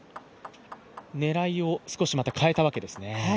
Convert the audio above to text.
狙いを少しまた変えたわけですね。